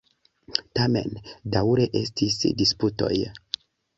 Tamen daŭre estis disputoj.